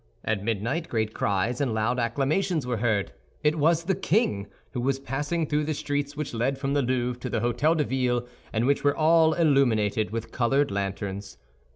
At midnight great cries and loud acclamations were heard. It was the king, who was passing through the streets which led from the Louvre to the Hôtel de Ville, and which were all illuminated with colored lanterns.